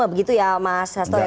begitu ya mas hasto